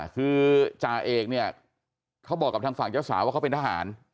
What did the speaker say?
คือจ่าเอกเนี่ยเขาบอกกับทางฝั่งเจ้าสาวว่าเขาเป็นทหาร